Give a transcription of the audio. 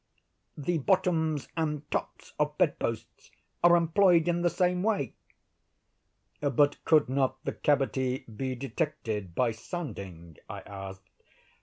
The bottoms and tops of bedposts are employed in the same way." "But could not the cavity be detected by sounding?" I asked.